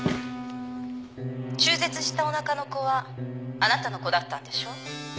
中絶したおなかの子はあなたの子だったんでしょ？